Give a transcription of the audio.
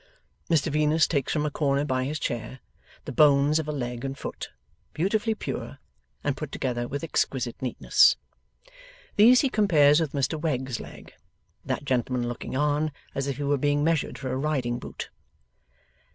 Mr Venus takes from a corner by his chair, the bones of a leg and foot, beautifully pure, and put together with exquisite neatness. These he compares with Mr Wegg's leg; that gentleman looking on, as if he were being measured for a riding boot.